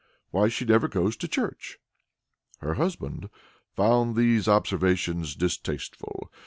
"Why, she never goes to church." Her husband found these observations distasteful.